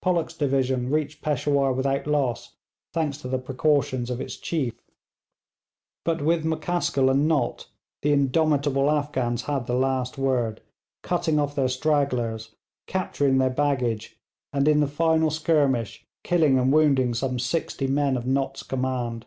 Pollock's division reached Peshawur without loss, thanks to the precautions of its chief; but with M'Caskill and Nott the indomitable Afghans had the last word, cutting off their stragglers, capturing their baggage, and in the final skirmish killing and wounding some sixty men of Nott's command.